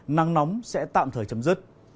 nắng nóng sẽ tạm thời chấm dứt